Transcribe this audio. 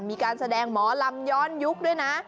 มีการแสดงหมอลำย้อนยุคด้วยนะ